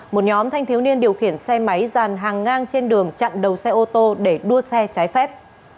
một nhóm thanh thiếu niên điều khiển xe máy dàn hàng ngang trên đường chặn đầu xe ô tô để đua xe trái phép